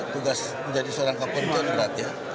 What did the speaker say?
tugas menjadi seorang kapolri yang berat